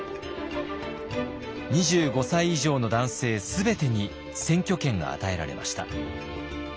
２５歳以上の男性全てに選挙権が与えられました。